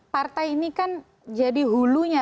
partai ini kan jadi hulunya